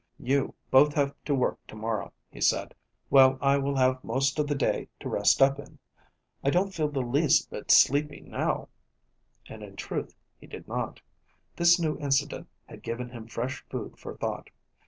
"You both have to work to morrow," he said, "while I will have most of the day to rest up in. I don't feel the least bit sleepy now," and in truth he did not. This new incident had given him fresh food for thought.